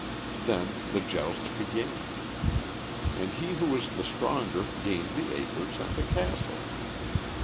Then the joust began. And he who was the stronger gained the acres and the castle.